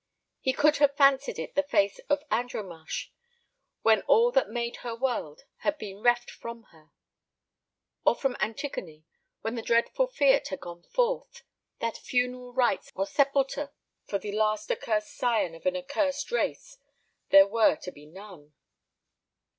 He could have fancied it the face of Andromache, when all that made her world had been reft from her; or of Antigone, when the dread fiat had gone forth that funeral rites or sepulture for the last accursed scion of an accursed race there were to be none.